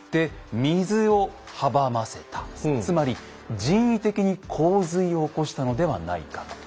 つまり人為的に洪水を起こしたのではないかと。